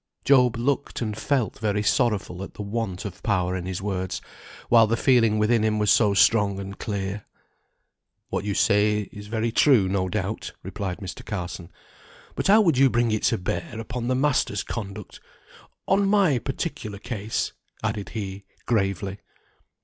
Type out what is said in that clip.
Job looked and felt very sorrowful at the want of power in his words, while the feeling within him was so strong and clear. "What you say is very true, no doubt," replied Mr. Carson; "but how would you bring it to bear upon the masters' conduct, on my particular case?" added he, gravely.